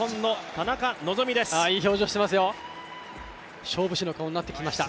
いい表情してますよ。